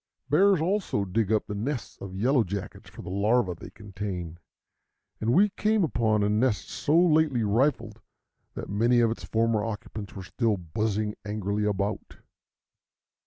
Bears also dig up the nests of yellow jackets for the larvæ they contain; and we came upon a nest so lately rifled that many of its former occupants were still buzzing angrily about.